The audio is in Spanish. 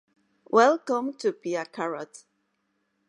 Welcome to Pia Carrot!!